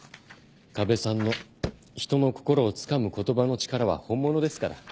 ＫＡＢＥさんの人の心をつかむ言葉の力は本物ですから。